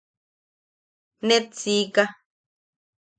Net siika.